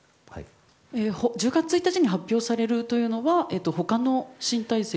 １０月１日に発表されるというのははい。